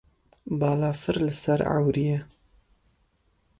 Balafir li ser ewrî ye.